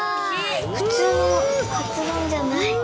普通のカツ丼じゃない。